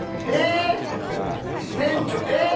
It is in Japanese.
店長えっ！